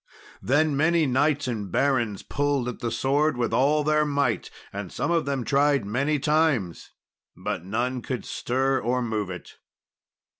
Then many knights and barons pulled at the sword with all their might, and some of them tried many times, but none could stir or move it.